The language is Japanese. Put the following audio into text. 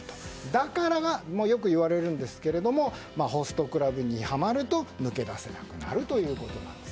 だから、よく言われるんですがホストクラブにハマると抜け出せなくなるということです。